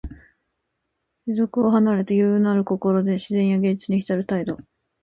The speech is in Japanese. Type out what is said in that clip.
世俗を離れて、余裕ある心で自然や芸術にひたる態度。